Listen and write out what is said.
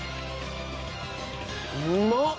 うまっ！